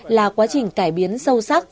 là quá trình cải biến sâu sắc